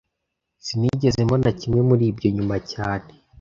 Sinigeze mbona kimwe muri ibyo nyuma cyane